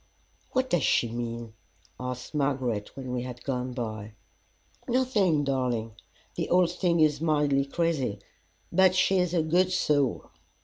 "What does she mean?" asked Margaret, when we had gone by. "Nothing, darling. The old thing is mildly crazy, but she is a good soul."